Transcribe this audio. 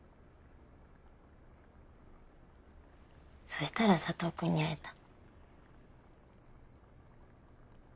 そしたら佐藤君に会えた。